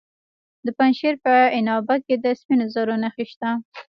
د پنجشیر په عنابه کې د سپینو زرو نښې شته.